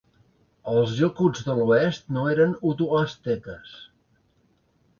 Els Yokuts de l'oest no eren uto-asteques.